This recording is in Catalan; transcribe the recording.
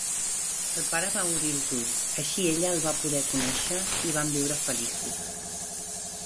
El pare va obrir els ulls, així ella el va poder conèixer i van viure feliços.